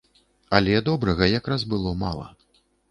Але добрага якраз было мала.